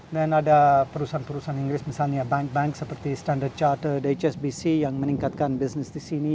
dan ada perusahaan perusahaan inggris misalnya bank bank seperti standard chartered hsbc yang meningkatkan bisnis di sini